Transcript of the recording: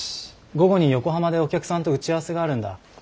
午後に横浜でお客さんと打ち合わせがあるんだ。